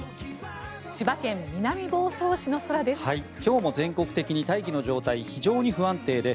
千葉県南房総市の空です。